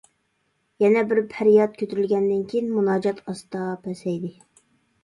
يەنە بىر پەرياد كۆتۈرۈلگەندىن كېيىن مۇناجات ئاستا پەسەيدى.